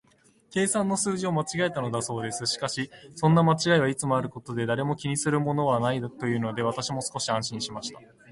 計算の数字を間違えたのだそうです。しかし、そんな間違いはいつもあることで、誰も気にするものはないというので、私も少し安心しました。